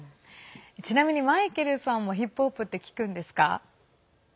ちなみにマイケルさんもヒップホップって聴くんですか？